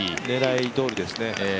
狙いどおりですね。